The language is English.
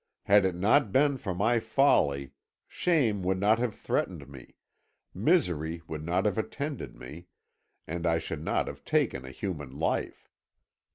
Had it not been for my folly, shame would not have threatened me, misery would not have attended me, and I should not have taken a human life.